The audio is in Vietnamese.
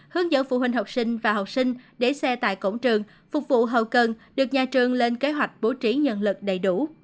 hướng dẫn phụ huynh học sinh và học sinh để xe tại cổng trường phục vụ hậu cần được nhà trường lên kế hoạch bố trí nhân lực đầy đủ